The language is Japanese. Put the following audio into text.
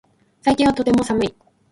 最近はとても寒い